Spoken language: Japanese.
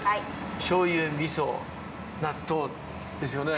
しょうゆ、みそ、納豆ですよね。